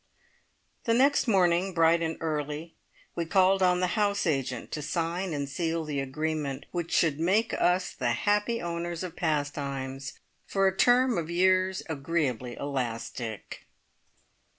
The next morning, bright and early, we called on the house agent to sign and seal the agreement which should make us the happy owners of Pastimes for a term of years agreeably elastic.